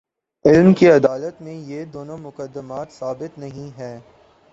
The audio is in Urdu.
علم کی عدالت میں، یہ دونوں مقدمات ثابت نہیں ہیں۔